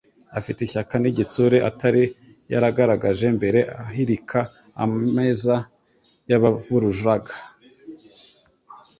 Afite ishyaka n'igitsure atari yaragaragaje mbere, ahirika ameza y'abavurujaga.